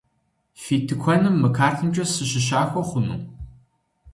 Фи тыкуэным мы картымкӏэ сыщыщахуэ хъуну?